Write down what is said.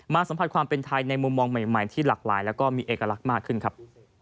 สัมผัสความเป็นไทยในมุมมองใหม่ที่หลากหลายแล้วก็มีเอกลักษณ์มากขึ้นครับ